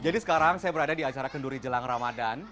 jadi sekarang saya berada di acara kenduri jelang ramadhan